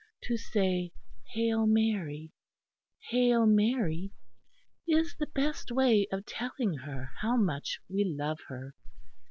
To say 'Hail Mary, Hail Mary,' is the best way of telling her how much we love her.